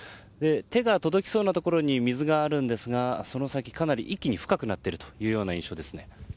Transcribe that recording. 手が届きそうなところに水があるんですがその先、かなり一気に深くなっている印象です。